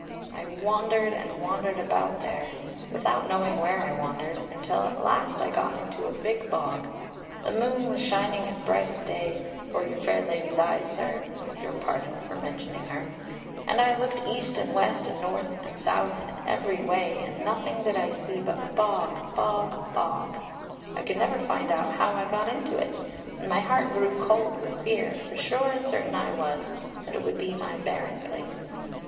"I wandered and wandered about there, without knowing where I wandered, until at last I got into a big bog. The moon was shining as bright as day, or your fair lady's eyes, sir (with your pardon for mentioning her), and I looked east and west, and north and south, and every way, and nothing did I see but bog, bog, bog I could never find out how I got into it; and my heart grew cold with fear, for sure and certain I was that it would be my berrin place.